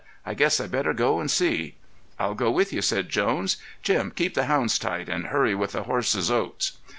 "I guess I'd better go and see." "I'll go with you," said Jones. "Jim, keep the hounds tight and hurry with the horses' oats."